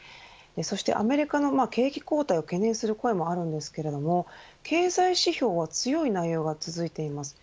そしてアメリカの景気後退を懸念する声もありますが経済指標は強い内容が続いています。